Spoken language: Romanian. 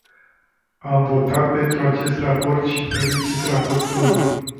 Am votat pentru acest raport și felicit raportorul.